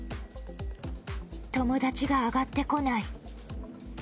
友達が上がってこない。